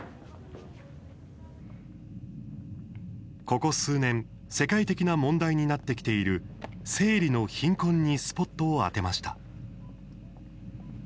ここ数年世界的な問題になってきている生理の貧困にスポットを当てました。